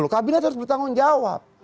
kabinet harus bertanggung jawab